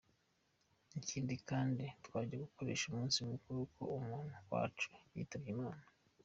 Ikindi kandi, twajya dukoresha umunsi mukuru ko umuntu wacu yitabye imana.